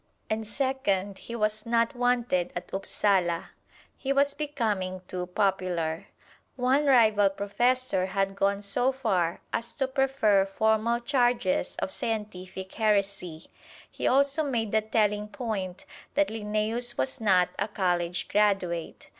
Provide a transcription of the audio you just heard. And second, he was not wanted at Upsala. He was becoming too popular. One rival professor had gone so far as to prefer formal charges of scientific heresy; he also made the telling point that Linnæus was not a college graduate.